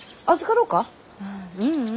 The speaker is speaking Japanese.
あううん。